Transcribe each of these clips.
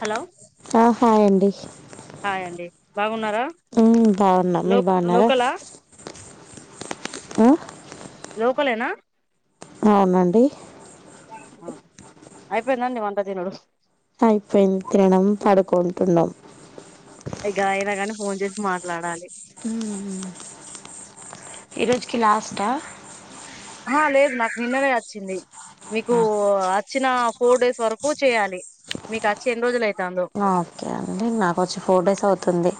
Hello ఆ hi అండి hi అండి బాగున్నారా మ్మ్ బాగున్న లో మీరు బాన్నారా లోకలా మ్ లోకలేేనా అవునండి అ అయిపోయిందండి వంట ధీనుడు అయిపోయింది తినడం పడుకుంటున్నాం ఇగా అయినా గానీ ఫోన్ చేసి మాట్లాడాలి మ్మ్ మ్మ్ ఈరోజుకి లాస్ట్ ఆ ఆహా లేదు నాకు నిన్ననే ఆచ్చింది మీకు ఆ ఆచ్ చ్చిన ఫోర్ డేస్ వరకు చేయాలి మీకు అచ్చి ఎన్ని రోజులైంది ఆ ఓకే అండి నాకోచ్చి ఫోర్ డేస్ అవుతుంది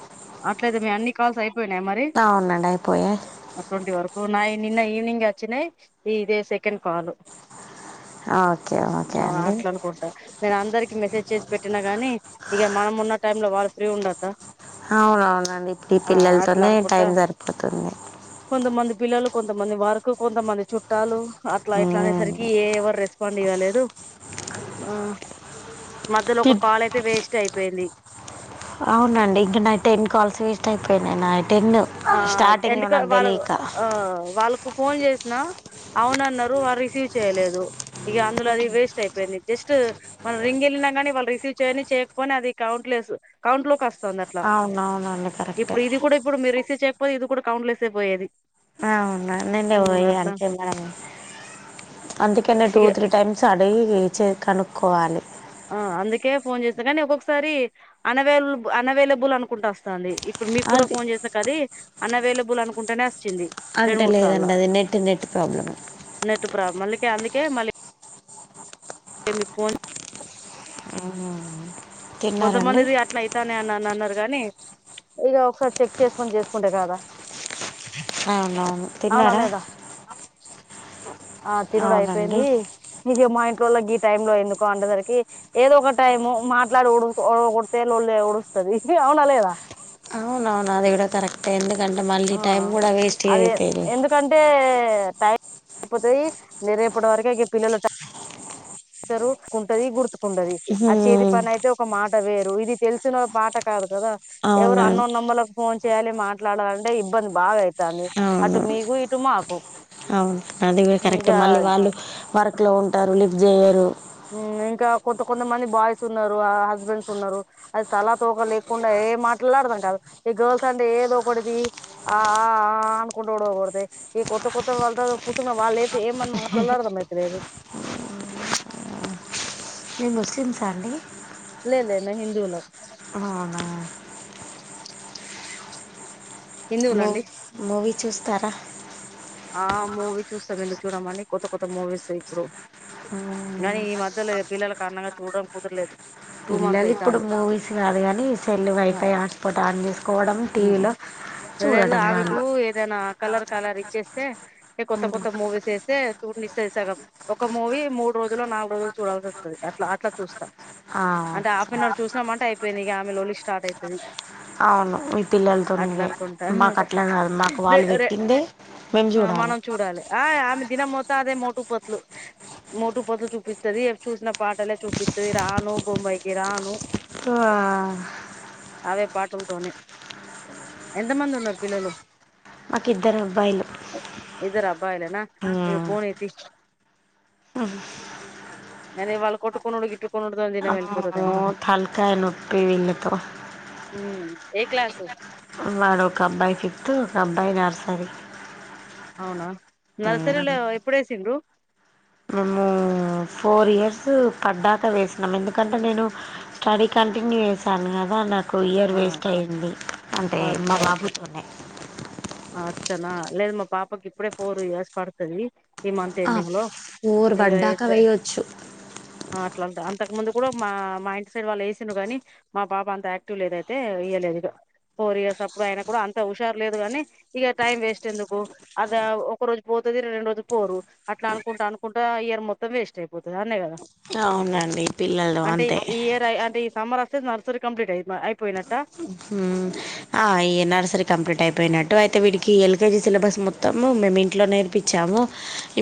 అట్లయితే మీ అన్ని కాల్స్ అయిపోయినాయా మరి అవునండి అయిపోయాయి అ టోంటి వరకు నాయి నిన్న ఈవనింగే వోచ్చినై ఇదే సెకండ్ కాలు ఓకే ఓకే ఆ అండి అట్లా అనుకుంటా నేనందరిక్ మెసేజ్ చేసి పెట్టినా గాని ఇగ మనం ఉన్న టైమ్ లో వాళ్ళు ఫ్రీ ఉండోదా హావ్ అవునవునండి ఇప్పుడు ఈ పిల్లలతోనే అనుకుంటా టైం సరిపోతుంది కొంతమంది పిల్లలు కొంతమంది వర్క్ కొంతమంది చుట్టాలు అట్లా ఇట్లా ఉమ్ అనేసరికి ఏ ఎవర్ రేస్ పండిగాలేదు మధ్యలో ఒక టిప్ కాల్ అయితే వేస్ట్ అయిపోయింది అవునండి ఇంకా నావి టెన్కాల్స్ వేస్ట్ అయిపోయినయి ఆ ఎందుక వాళ్ళ ఆ వాళ్ళకు ఫోన్ చేసిన అవున అన్నారు వారు రిసీవ్ చేయలేదు ఇగా అందులోది అది వేస్ట్ అయిపోయింది జస్ట్ మన రింగ్ కానీ వాళ్ళు రిసీవ్ చేయని చేయకపోని అది కౌంట్ లెస్సు కౌంట్ లో కోస్ వస్తుంది అట్లా అవునవునండి కరెక్టే ఇప్పుడు ఇది కూడా ఇప్పుడు మీరు రిసీవ్ చేయకపోతే ఇది కూడా కౌంట్ లేస్ అయిపోయేది అవునండి నేన్ ఉమ్ అట్లా పోయి మనం అందుకనే టూ ఇక త్రీ టైమ్స్ అడిగి చ్ కనుకోవాలి ఆ అందుకే ఫోన్ చేస్తనే కానీ ఒక్కొక్కసారి అన్వైల్ అన్వైలబుల్ అనుకుంటూ ఒస్తంది ఇప్పుడు మీకు కూడా అది ఫోన్ చేసినంక అది అనవలబెల్ అనుకుంటానే ఓస్ వచ్చింది రెండు అంటే మూడు సార్లు లేదండి అది నెట్ నెట్ ప్రాబ్లమే నటు మళ్ళీకె అందుకే మళ్ళీ మీకు ఫోన్ తిన్నారండి కొంతమందిది అట్లా అయితాంది అని అన్నారు గాని ఇగ ఒకసారి చెక్ చేసుకొని జెసుకుంటే కాద అవునవును అవునా తిన్నారా లేదా ఆ తినుడు అవునండి అయిపోయింది ఇగ గా ఇంట్లో వాళ్ళకి గీ టైమ్ లో ఎందుకో అంటందరికి ఏదో ఒక టైమ్ మాట్లాడి ఓడ ఓడకొడితే లోలి ఓడస్ అవునా లేదా అవును అవును అది కూడా కరెక్టే అండి ఆ అది ఎందుకంటే టైం అయిపోతాది రేపటివారికి గి పిల్లలు ఉంటరు ఉంటది గుర్ కుండది ఆ చేతి పని అయితే ఒక మాట వేరు ఇది తెలిసిన మాట కాదు గదా ఎవరొ అవునండి అన్నోన్ నంబర్లకి ఫోన్ చేయాలి మాట్లాడాల ఇంటే ఇబ్బంది బాగా అయితాంది అటు అవును మీకు ఇటు మాకు అదిగ కరెక్టే ఇగ మళ్ళీ వాళ్ళు వర్క్ లో ఉంటారు లిఫ్ట్ చేయరు హ్మ్ కొంత కొంతమంది బాయ్స్ ఉన్నారు హస్బెండ్స్ ఉన్నారు అది తలా తోక లేక ఏ మాట్లాడదాం కాదు ఈ గర్ల్స్ అంటే ఏదో ఒకది ది ఆ ఆ అనుకుంట ఓడకొడ్తాయి ఈ కొత్త కొత్త వాళ్ళతో కూర్చున్న వాళ్ళుయితే ఏమని మాట్లాడాలో అర్థం అయిత లేదు మీర్ ముస్లిమ్స్ ఆ అండి లే లే నేన్ హిందువులు హావున మే హిందువులండి మూవీ చూస్తారా ఆ మూవీ చూస్తాం ఎందుకు చూడమండి కొత్త కొత్త మూవీస్ ఇప్పుడు కానీ ఈ మధ్యలో పిల్లల కారణంగా చూడడం కుదరలేదు టూ మంత్స్ పిల్లలు ఇప్పుడు అయితాంది మూవీస్ కాదు గని సెల్ వైఫై హాస్పోర్ట్ ఆన్ చేసుకోవ్ లె లె ఆమెకు ఏదన్నా కలర్ కలర్ చేస్తే ఏ కొత్త కొత్త మూవీస్ వేస్తే చూడనిస్తది సగం ఒక మూవీ మూడు రోజులు నాలుగు రోజులు చూడాల్సివస్తది అట్లా అట్లా చూస్తా ఆ అంటే హాఫ్ అన్ అవర్ చూసామంటె అయిపోయింది ఇగ ఆమె లోలి స్టార్ట్ అయితది అవును మీ పిల్లలతోన్ అట్లా ఇదే అనుకుంటా మాకు అట్లా కాదు మాకు వాళ్ళు పెటిందే ఆ మనం చూడాలి ఆ ఆమె దినం అదే మోటు పతులు మోటుపతులు చూపిస్తది చూసిన పాటలే చూపిస్తది రాను బొంబాయికి రాను ఆ అవే పాటలతోనే ఎంతమంది ఉన్నారు పిల్లలు? మాక్ ఇద్దరు అబ్బాయిలు ఇద్దరు అబ్బాయిలన ఇగ పోనీ తి అదే వాళ్ళ కొట్టుకునుడు, గిట్టుకునుడు దినం ఎలిపోతాది ఏమో. ఓ తల్కాయనొప్పి వీళ్ళతో మ్ ఏ క్లాసు? వాడు ఒక అబ్బాయి ఫిఫ్తు ఒక అబ్బాయి నర్సరీ అవునా నర్సరీలో ఎప్పుడేసిండ్రు మేము ఫోరియర్స్ పడ్డాక వేసినం ఎందుకంటే నేను స్టడీ కంటిన్యూ చేశాను కదా నాకు ఇయర్ ఆ వేస్ట్ అయింది అంటే మా బాబుతోన్నే అ-అచ్చనా లేదు మా పాపకి ఇప్పుడే ఫోర్ ఇయర్స్ పడుతది ఈ మంతేండింగ్లో ఇగ ఎద్ద వేయొచ్చు అ అట్లాంట అంతకు ముందు కూడా మా మా ఇంటి సైడ్ వాళ్ళు వేసిన్ కాని మా బాబా అంత యాక్టివ్ లేదైతే వెయ్య లేదు ఇగ ఫోర్ ఇయర్స్ అబ్బాయి అయిన కూడా అంత హుషారు లేదు గాని. ఇగ టైం వేస్ట్ ఎందుకు. అద ఒక రోజు పోతుంది రెండ్రోజులు పోరు అట్లానుకుంటానుకుంటా ఆ ఇయర్ మొత్తం వేస్ట్ అయిపోతది ఆడ్ నే కదా అవునండి పిల్లలు అంటే అంతే ఈ ఇయర్ అంటే ఈ సమ్మర్ ఓస్తే నర్సరీ కంప్లీట్ అయి అయిపోయ్నట్ట ఉమ్ ఆ ఈ నర్సరీ కంప్లీట్ అయిపోయినట్టు, అయితే వీడికి ఎల్కేజీ సిలబస్ మొత్తము మేమింట్లో నేర్పించాము.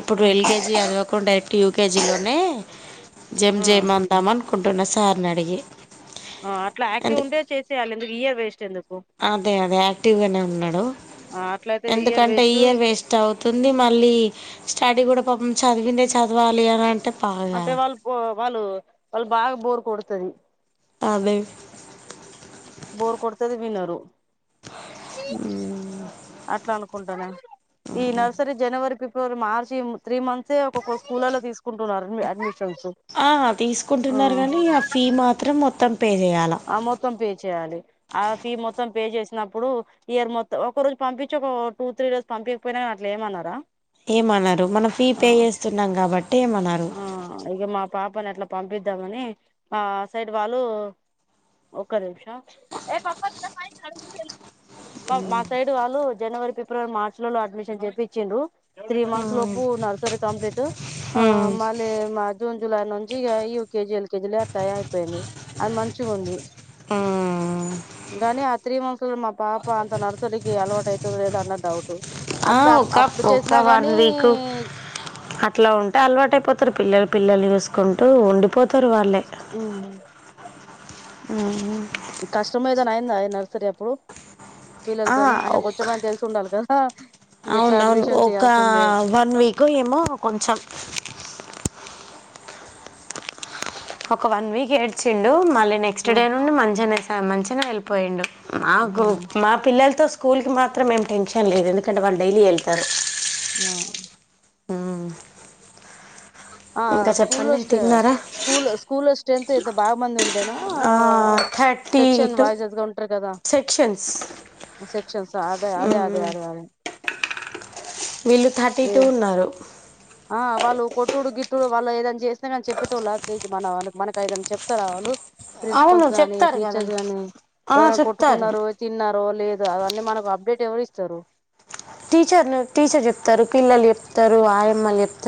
ఇప్పుడు ఎల్కేజీ అద్వకుండ డైరెక్ట్ యూకేజీ లోనే జమ్ ఆ జమ్ అందాం అన్ కుంటున్న సార్నిడిగి ఆ అట్లా యాక్టివ్ ఉండే చేసేయాలి ఎందుకు ఇయర్ వేస్ట్ ఎందుకు? అదే అదే యాక్టివ్గానే ఉన్నాడు. ఆ అట్లయితే ఎందుకంటే వేస్ట్ ఇయర్ వేస్ట్ అవుతుంది. మళ్ళీ స్టడీ కూడా పాపం చదివిందే చద్వాలి అని అంటే బాగా అంటే వాళ్ళు వాళ్ళు వాళ్ళు బాగా బోర్కొడుతది. అదే బోర్కొడతది వినరు. మ్ ఉంటనే ఈ నర్సరి జనవరి పి కోరు మార్చి మ్ త్రీ మంత్సే ఒకొక్క స్కూల్లల్లో తీసుకుంటున్నారు అడ్మిషన్ ఆ తీసుకుంటున్నారు గానీ ఆ ఫీ మాత్రం మొత్తం పే చేయాలా ఆ మొత్తం పే చేయాలి. ఆ ఫీ మొ త్తం పే చేసినప్పుడు ఇయర్మొత్తం ఒక రోజు పంపించి, ఒక టూ త్రీ డోస్ పంపించకపోయినా కానీ అట్లేమన్నారా? ఏమనరు మనం ఫీ పే చేస్తున్నాం కాబ ఆ ఇగ మా పాపని అట్లా పంపిద్దామని మా సైడ్ వాళ్ళు ఒక్క నిమ్షమ్ మా మా సైడ్ వాళ్ళు జనవరి, ఫిబ్రవరి, మార్చ్లలో అడ్మిషన్ చేప్పిచ్చిరు త్రీ ఉమ్ మంత్స్లోపు నర్సరి కంప్లీటూ ఆ ఉమ్ మళ్ళీ మా జూన్, జులై నుంచి ఇ యుకేజీ, ఎల్కేజీలు అట్లా అయిపోయినాయి. అది మంచిగా ఉంది ఉమ్. గానీ ఆ త్రీ మంత్స్లో మా పాప అంత నర్సరీకి అలవాటైతదా లేదన్న డౌట్ ఆ అట్లా ఒక అప్పుడు ఒక చేసినా గానీ వన్వీక్ అట్లా ఉం ట అంతలవాటైపోతారు పిల్లలు పిల్లలు చూసుకుంటూ ఉండిపోతారు వాళ్ళే. కష్టం ఏదైనా అయిందా ఈ నర్సరీ అప్పుడు? ఆ పిల్లల్తోని అంటే ఒక్క కొంచెమైన తెలిసుండాలి కదా ఎట్లా అవునవును అడ్మిషన్ ఒక చేయాల్సిందే వన్వీక్ ఏమో కొంచెం ఒక వన్వీక్ ఏడ్చిండు. మళ్ళీ నెక్స్ట్ ఆ డే నుండి మంచిగానే మంచిగా ఏళ్ళిపోయిండు. మాకు మా పిల్లల్తో స్కూల్కి మాత్రం ఏం టెన్షన్ లేదు. ఎందుకంటే వాళ్ళు డైలీ ఏళ్తారు. మా ఉ మ్ ఆ స్కూల్లో స్ట తిన్నారా స్కూల్ స్కూల్లో స్ట్రెంత్ ఎంత బాగా మందుండేనా థర్టీ సెక్షన్ టూ వైజస్గా ఉంటారు కదా సెక్షన్స్ సెక్షన్స్ అదే అదే అదే అడగాలి వీళ్ళు థర్టీటూ ఉన్నారు ఆ వాళ్ళు కొట్టుడు, గిట్టుడు వాళ్ళు ఏదనా చేస్తే కాని చెప్పేటోల వాళ్ళ మ మనకు ఏదైనా చెప్తారా వాళ్ళు అవును ప్రిన్సిపల్స్ గాని, చెప్తారు టీచర్స్ కదమ్మా గానీ ఆ, ఎవరైనా చెప్తారు కొట్టుకున్నారో తిన్నారో లేదు. ద అవన్నీ మనకు అప్డేట్ ఎవరు ఇస్తారు టీచర్ను టీచర్ చెప్తారు, పిల్లలు చెప్తారు ఆయమ్మలు చెప్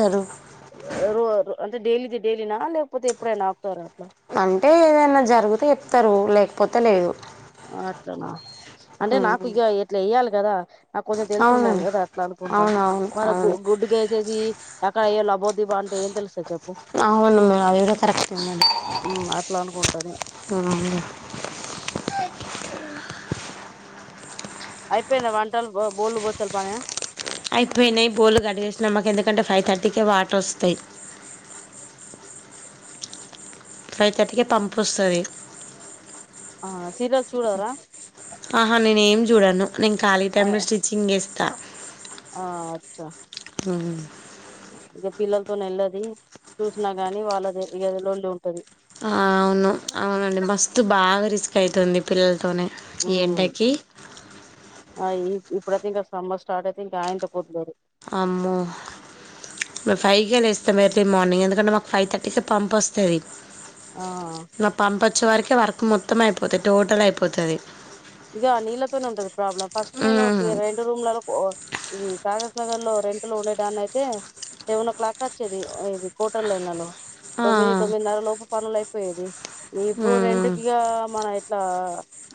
రో అంటే డైలీది డైలీనా లేకపోతే ఎప్పుడైన ఆపుతారా అట్లా అంటే ఏదైనా జరిగుతే చెప్తారు లేకపోతే లేదు అట్లనా అంటే నాకు మ్మ్. ఇగ ఎట్లా వెయ్యాలి కదా నాకు కొంచెం తెలుసు ఉండాలి అవునండి కదా అట్లా అనుకుంటా అవునవును మన అవును గుడ్డుగా వేసేసి క్క లబో బిభో అంటే ఎం తెలుస్తదిచేప్ అవును అదికూడా కరక్టే ఉమ్, అట్లా అనుకుంటాను మ్ అయిపోయిందా వంటలు బో-బోల్లు బోచ్చలి పనినా అయిపోయినాయి బొల్లు గడిగేసిన మాకు ఎందుకంటే ఫైవ్ థర్టీకే వాటర్ వస్తాయి ఫైవ్ థాట్టి కే పంపోస్తది ఆ సీరియల్ చూడరా ఆహా నేనే ఏం చూడాను నేను ఖాళీ ఆ టైమ్ లో స్టిచ్చింగ్ చేస్తా ఆ అచ్చా మ్ పిల్లలతో నేళ్ళేది చూసినాగాని వాళ్ళది ఇగ లోల్లి ఉంటది ఆ అవును అవునండి మస్తు బాగా రిస్క్ అయితుంది పిల్లలతోని ఈ ఎండకి ఆ ఇప్పుడైతే ఇంకా సమ్మర్ స్టార్ట్ అయితే ఇంకా ఆయనంత కుద్లోదు అమో ఫైవ్ కే లేస్తామ్ అట్లా ఇగ మరి మార్నింగ్ ఎందుకంటే మాకు ఫైవ్ థర్టీ కె పంపొస్తది ఆ మా పంపు వచ్చవరకే వర్క్ మొత్తం అయిపోతది టోటల్ అయిపోతది ఇగా నీళ్ళతోనే ఉంటది ప్రాబ్లం ఫస్ట్ నేను రెండు రూమ్లలో ఇది కాకాజ్ నగర్ లో రెంట్ లో ఉండేదాన్ని అయితే సెవెన్ ఓ క్లాక్ వచ్చేది ఇది కోటల్లో లో ఎనాలో ఆ తొమ్మిది తొమ్మిదిన్నర లోపు పనులయిపోయేది ఇప్పుడు రెండుకిగా మన ఇట్లా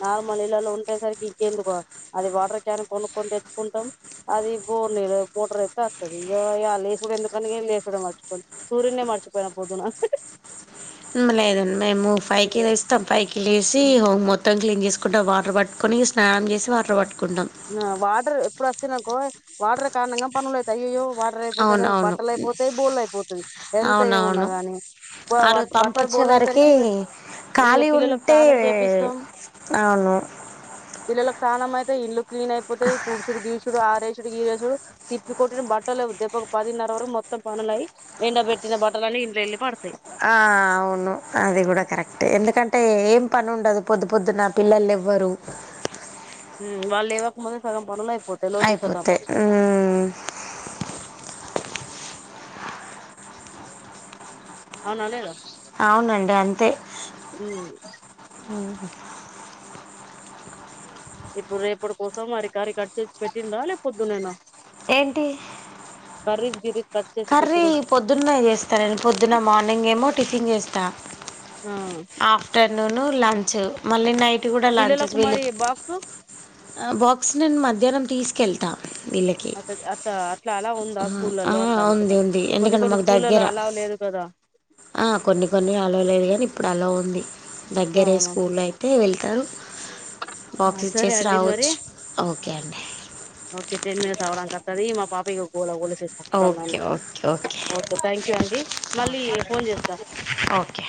నాలు మన ఇళ్లలో ఉంటే సరికి ఇంకెందుకు అది వాటర్ క్యాన్ కొనుకొని తెచ్చుకుంటాం అది బోర్ నీ మోటార్రయితే వస్తుది ఇగా లేసుడు ఎందుకని లేసుడు మర్చిపోదు సూర్యుే మర్చిపోయిన పొద్దున లేదు మేము ఫైవ్ కి లేస్తామ్ ఫైవ్ కి లేసి ఉమ్ హోమ్ మొత్తం క్లీన్ చేసుకున్ కుంటం వాటర్ పట్టుకని స్నానం చేసి వాటర్ పట్ వాటర్ ఎప్పుడు వస్తే నాకో వాటర్ కారణంగా పనులైతాయి అయ్యాయో వాటర్ అయిపోతేనే అవునవును బట్టలు అయిపోతై బోళ్ళ అయిపోతై ఎంత అవునవును ఏమున్నాగాని బ ఆ వా రోజు పంపు బట్టలు వచ్చే బొల్లు వరకి అయేసరికి ఖాళీ పిల్లలకు ఉంటే స్నానం చేపిస్తాం అవును పిల్లలకు స్నానం అయితే ఇల్లు క్లీన్ అయిపోతతది తుడుసుడు గీరుచుడు ఆరేసుడు గీరేసుడు తిప్పి కొట్టిన బట్టలేవు దెప్ప ఒక పదిన్నర వర మొం మొత్తం పనులయి ఎండ బెట్టిన బట్టలన్న ఇంట్లల్లి పడతాయి ఆ అవును అది కూడా కరెక్టే ఎందుకంటే ఏం పని ఉండదు పొద్దు పొద్దు నా పిల్లలే ఎవరు మ్ వాళ్లెవకముందు సగం పనులు అయిపో పోతే లోల్లిపోతం అయిపోతాయి ఉమ్, అవునుదేగా అవునండి అంతే ఉం ఉమ్ ఇప్పుడు రేపటి కోసం మరి కర్రి కట్ చేసి పెట్టిండ్రా లేక పోద్దునేనా ఏంటి కర్రీజ్ గిరి కర్రీ పొద్దున్న చేస్తా నేను పొద్దున్న మార్నింగ్ ఏమో టిఫిన్ చేస్తా ఆ లోను లంచ్ మళ్ళీ నైట్ కూడా లంచెస్ పిల్లలకు వెలే మరి బాక్సు బాక్స్ నేను మధ్యాహ్నం తీసుకెళ్తా వీళ్ళకి అ అచ్ అట్లా అట్లా అలా ఉందా ఆ, ఆ, స్కూళ్ళలో అట్లానే ఉంది కదా ఉంది కొన్ని ఎందుకంటే కొన్ని మాకు స్కూళ్లలో దగ్గర అలో లేదు కదా ఆ కొన్ని కొన్ని అలో లేదు గాని ఇప్పుడు అలా దగ్గరే అవునా స్కూల్లో అయితే వెళ్తారు బాక్స్ సరే ఇచ్చేసి అండి మరి రావచ్చు ఓకే అండి ఓకే టెన్ మినిట్స్ అవ్వడం వస్తది మా పాప ఇగ గోలా గోళ చేసిన్నా okay okay okay thank you అండి మళ్ళీ ఫోన్ చేస్తా ఓకే